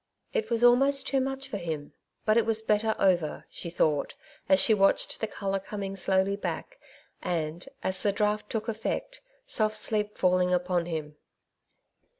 ^^ It was almost too much for him ; but it was better over," she thought, as she watched the colour coming slowly back, and, as the draught took efiect, soft sleep falling upon him.